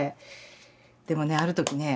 でもねある時ね